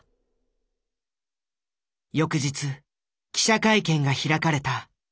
翌日記者会見が開かれた。